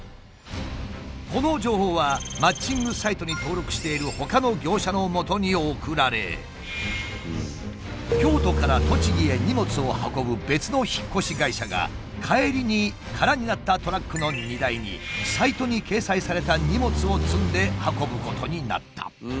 この情報はマッチングサイトに登録しているほかの業者のもとに送られ京都から栃木へ荷物を運ぶ別の引っ越し会社が帰りに空になったトラックの荷台にサイトに掲載された荷物を積んで運ぶことになった。